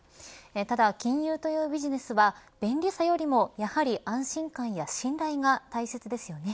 ただ、金融というビジネスは便利さよりも安心感や信頼が大切ですよね。